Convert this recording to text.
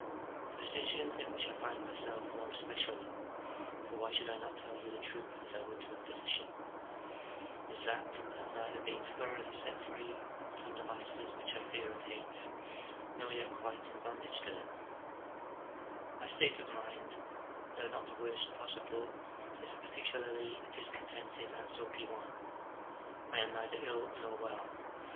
The position in which I find myself more especially (for why should I not tell you the truth as I would to a physician), is that of neither being thoroughly set free from the vices which I fear and hate, nor yet quite in bondage to them : my state of mind, though not the worst possible, is a particularly discontented and sulky one : I am neither ill nor well.